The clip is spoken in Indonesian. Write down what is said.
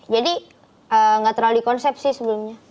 jadi nggak terlalu dikonsep sih sebelumnya